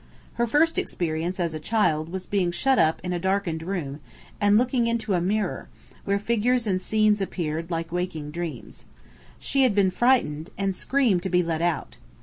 Her first experience, as a child, was being shut up in a darkened room, and looking into a mirror, where figures and scenes appeared, like waking dreams. She had been frightened, and screamed to be let out.